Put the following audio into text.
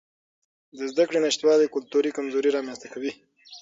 د زده کړې نشتوالی کلتوري کمزوري رامنځته کوي.